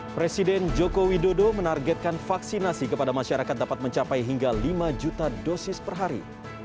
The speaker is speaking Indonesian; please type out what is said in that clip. presiden joko widodo menargetkan vaksinasi kepada masyarakat dapat mencapai hingga lima juta dosis per hari